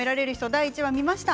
第１話、見ました。